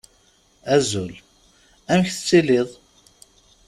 Azul, amek tettiliḍ?